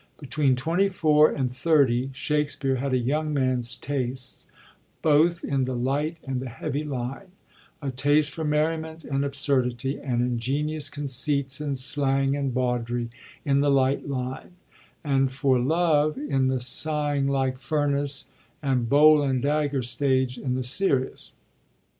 Between twenty four and thirty, Shakspere had a young man's tastes, hoth in the light and the heavy line— a taste for merriment and absurdity and ingenious conceits and slang and bawdry, in the light line; and for love in the ' sighing like furnace ' and bowl and dagger stage in the serious.